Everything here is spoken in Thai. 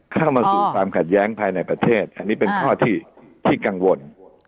เข้ามาสู่ความขัดแย้งภายในประเทศอันนี้เป็นข้อที่กังวล